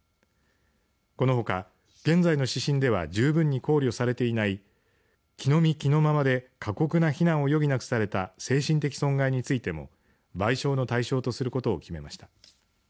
このほか、現在の指針では十分に考慮されていない着のみ着のままで過酷な避難を余儀なくされた精神的損害についても賠償の対象とすることを決めました。